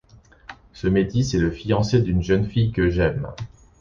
Ce métis est le fiancé d’une jeune fille que j’aime!